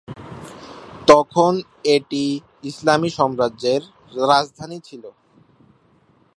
তখন এটি ইসলামি সাম্রাজ্যের রাজধানী ছিল।